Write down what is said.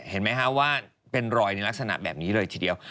เห็นไหมคะว่าเป็นรอยในลักษณะแบบนี้เลยทีเดียว